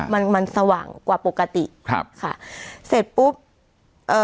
มันมันสว่างกว่าปกติครับค่ะเสร็จปุ๊บเอ่อ